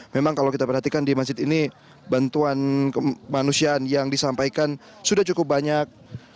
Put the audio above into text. memang kalau kita perhatikan di masjid ini bantuan kemanusiaan yang disampaikan sudah cukup banyak